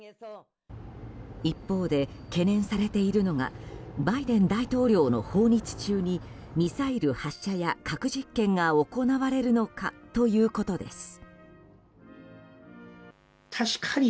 一方で懸念されているのがバイデン大統領の訪日中にミサイル発射や核実験が行われるのかということです。